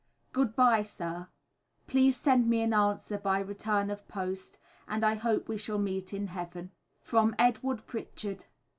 Good bye, Sir. Please send me an answer by return of post, and I hope we shall meet in Heaven. From EDWARD PRITCHARD.